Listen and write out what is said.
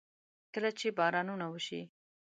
کله چې بارانونه وشي.